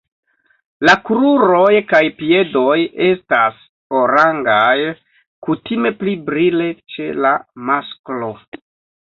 La kruroj kaj piedoj estas oranĝaj, kutime pli brile ĉe la masklo.